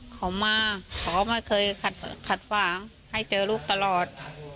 เขามาเขาก็ไม่เคยขัดขวางให้เจอลูกตลอด